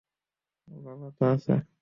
বাবা তো আছে?